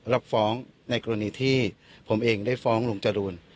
รับฟ้องในกรณีที่ผมเองได้ฟ้องลุงจรูน